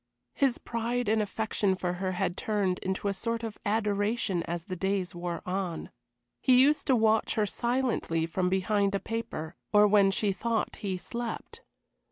His pride and affection for her had turned into a sort of adoration as the days wore on. He used to watch her silently from behind a paper, or when she thought he slept.